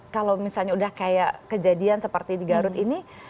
kalau misalnya udah kayak kejadian seperti di garut ini